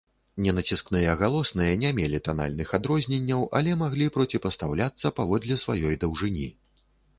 Ненаціскныя галосныя не мелі танальных адрозненняў, але маглі проціпастаўляцца паводле сваёй даўжыні.